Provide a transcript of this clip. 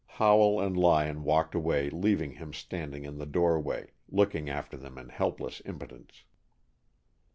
Howell and Lyon walked away leaving him standing in the doorway, looking after them in helpless impotence.